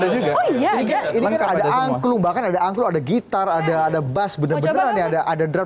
juga ini ada angklung bahkan ada angklung ada gitar ada ada bass bener bener ada ada drum